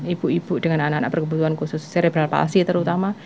ibu ibu dengan anak anak perkebutuhan khusus cerebral palsy terutama